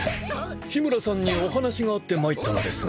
緋村さんにお話があって参ったのですが。